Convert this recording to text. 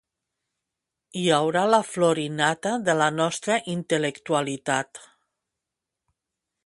Hi haurà la flor i nata de la nostra intel·lectualitat.